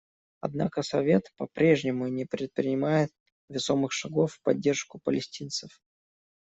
Однако Совет по-прежнему не предпринимает весомых шагов в поддержку палестинцев.